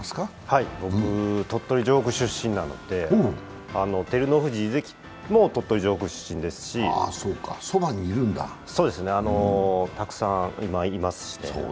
はい、僕、鳥取城北出身なんで、照ノ富士関も鳥取城北出身ですしたくさんいますね。